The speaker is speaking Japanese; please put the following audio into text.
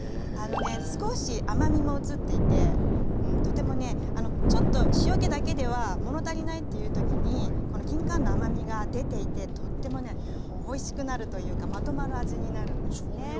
あのね少し甘みも移っていてとてもねあのちょっと塩けだけでは物足りないっていう時にこのきんかんの甘みが出ていてとってもねおいしくなるというかまとまる味になるんですね。